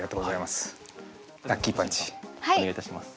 お願いいたします。